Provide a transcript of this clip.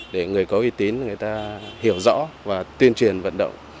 để người có uy tín người ta hiểu rõ và tuyên truyền vận động